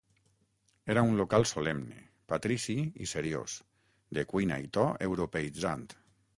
Era un local solemne, patrici i seriós, de cuina i to europeïtzant.